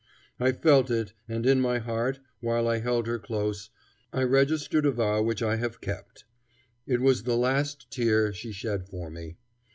I felt it, and in my heart, while I held her close, I registered a vow which I have kept. It was the last tear she shed for me.